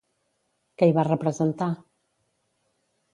Què hi va representar?